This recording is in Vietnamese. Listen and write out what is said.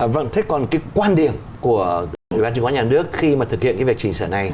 vâng thế còn cái quan điểm của đối với văn chứng khoán nhà nước khi mà thực hiện cái việc chỉnh sở này